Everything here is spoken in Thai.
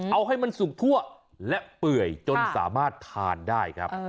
เอาให้มันสุกทั่วและเปื่อยจนสามารถทานได้ครับ